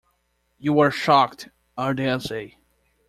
You are shocked, I dare say!